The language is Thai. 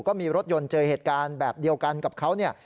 ก็มีรถยนต์เจอเหตุการณ์แบบเดียวกันกับเขาเนี่ย